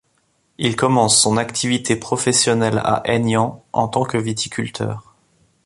Il commence son activité professionnelle à Aignan, en tant que viticulteur.